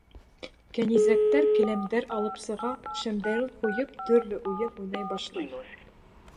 Кәнизәктәр келәмдәр алып сыға, шәмдәрен ҡуйып, төрлө уйын уйнай башлай.